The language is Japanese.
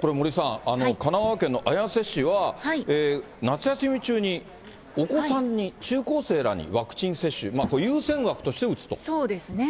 これ、森さん、神奈川県の綾瀬市は、夏休み中にお子さんに、中高生らにワクチン接種、これ、そうですね。